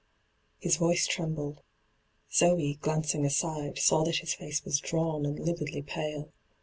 His voice trembled. Zoe, glancing aside, saw that his face was drawn and lividly pale.